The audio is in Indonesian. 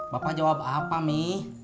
bapak jawab apa mi